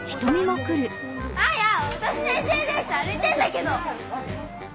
わたしのＳＮＳあれてんだけど！